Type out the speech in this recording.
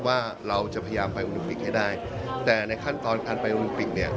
ว่าเราจะพยายามไปโอลิมปิกให้ได้แต่ในขั้นตอนการไปโอลิมปิกเนี่ย